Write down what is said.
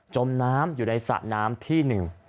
จมน้ำอยู่ในสระน้ำที่๑